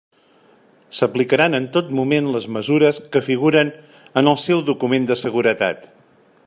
S'aplicaran en tot moment les mesures que figuren en el seu Document de seguretat.